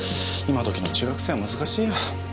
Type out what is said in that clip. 今どきの中学生は難しいや。